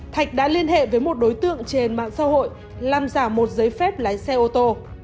thạch đã liên hệ với một đối tượng trên mạng xã hội làm giả một giấy phép lái xe ô tô